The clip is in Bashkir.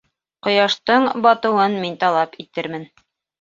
Ҡояштың батыуын мин талап итермен.